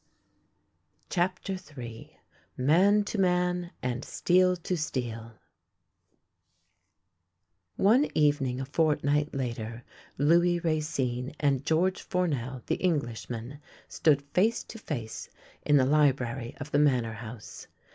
CHAPTER III MAN TO MAN AND STEEL TO STEEL ONE evening a fortnight later Louis Racine and George Fournel the Englishman stood face to face in the library of the Manor House.